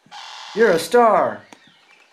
You're a Star!.